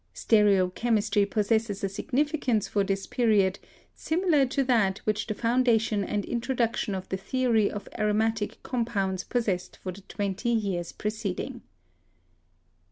Stereochemistry possesses a significance for this period similar to that which the foundation and introduction of the theory of aromatic compounds possessed for the twenty years preceding."